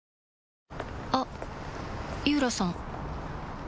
あっ井浦さん